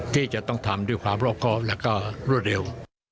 ที่จะต้องทำด้วยความรอบครอบแล้วก็รวดเร็ว